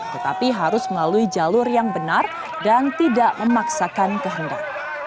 tetapi harus melalui jalur yang benar dan tidak memaksakan kehendak